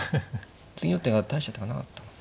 次の手が大した手がなかったもんな。